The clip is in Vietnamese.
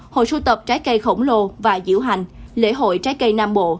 hội sưu tập trái cây khổng lồ và diễu hành lễ hội trái cây nam bộ